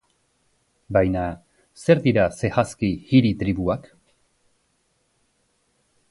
Baina, zer dira zehazki hiri-tribuak?